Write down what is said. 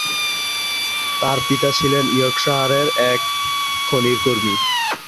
তার পিতা ছিলেন ইয়র্কশায়ারের এক খনির কর্মী।